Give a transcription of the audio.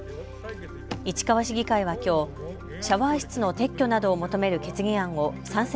市川市議会はきょう、シャワー室の撤去などを求める決議案を賛成